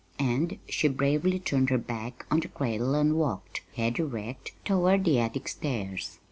And she bravely turned her back on the cradle and walked, head erect, toward the attic stairs.